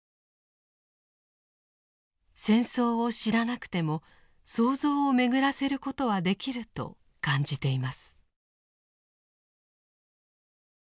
戦争を知らなくても想像を巡らせることはできると感じています。